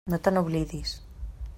No te n'oblidis.